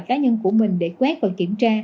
cá nhân của mình để quét và kiểm tra